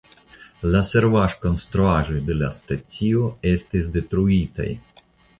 La servaĵokonstruaĵoj de la stacio estis detruitaj.